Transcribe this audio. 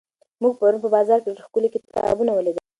موږ پرون په بازار کې ډېر ښکلي کتابونه ولیدل.